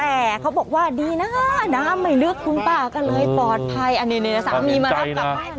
แต่เขาบอกว่าดีนะฮะน้ามหายลึกคุณป้าก็เลยปลอดภัยอ่ะเน่